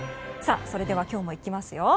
それでは今日も行きますよ。